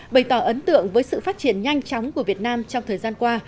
bày tỏ ấn tượng với sự phát triển nhanh chóng của việt nam trong thời gian qua